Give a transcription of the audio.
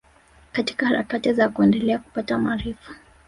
Katika harakati za kuendelea kupata maarifa